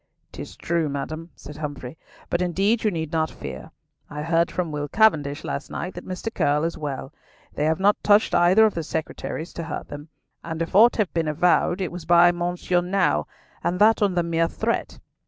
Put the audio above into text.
"'Tis true, madam," said Humfrey, "but indeed you need not fear. I heard from Will Cavendish last night that Mr. Curll is well. They have not touched either of the Secretaries to hurt them, and if aught have been avowed, it was by Monsieur Nau, and that on the mere threat.